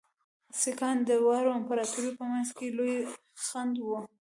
سیکهان د دواړو امپراطوریو په منځ کې لوی خنډ وو.